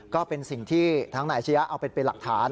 ก็เป็นสิ่งที่ทางไหนชะยะเอาเป็นเป็นหลักฐาน